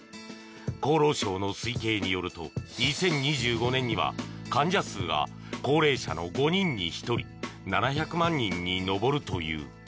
厚労省の推計によると２０２５年には患者数が高齢者の５人に１人７００万人に上るという。